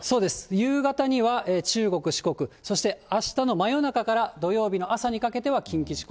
夕方には、中国、四国、そしてあしたの真夜中から土曜日の朝にかけては近畿地方。